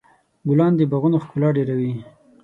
ګلان د باغونو ښکلا ډېروي.